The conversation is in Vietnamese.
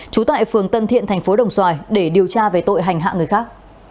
trú tại phường tân thiện tp đồng xoài để điều tra về tội hành hạ người khác